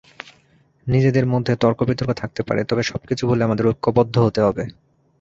নিজেদের মধ্যে তর্কবিতর্ক থাকতে পারে, তবে সবকিছু ভুলে আমাদের ঐক্যবদ্ধ হতে হবে।